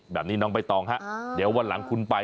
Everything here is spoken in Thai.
แบบนี้น้องใบตองฮะเดี๋ยววันหลังคุณไป